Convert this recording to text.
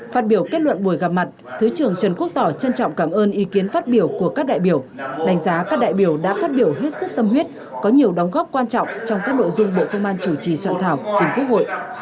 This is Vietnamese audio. phát biểu kết luận buổi gặp mặt thứ trưởng trần quốc tỏ trân trọng cảm ơn ý kiến phát biểu của các đại biểu đánh giá các đại biểu đã phát biểu hết sức tâm huyết có nhiều đóng góp quan trọng trong các nội dung bộ công an chủ trì soạn thảo chính quốc hội